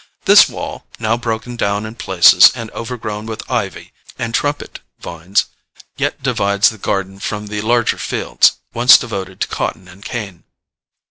This wall, now broken down in places and overgrown with ivy and trumpet vines, yet divides the garden from the larger fields once devoted to cotton and cane.